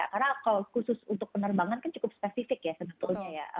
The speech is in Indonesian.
karena kalau khusus untuk penerbangan kan cukup spesifik ya sebetulnya ya